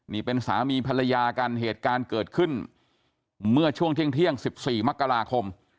นี่เป็นสามีภรรยากันเหตุการณ์เกิดขึ้นเมื่อช่วงเที่ยง๑๔มกราคม